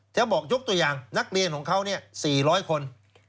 จะบอกยกตัวอย่างนักเรียนของเขา๔๐๐คน